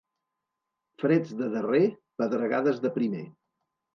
Freds de darrer, pedregades de primer.